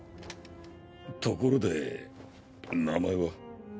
ところで名前は？